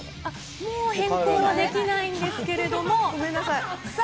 もう変更はできないんですけごめんなさい。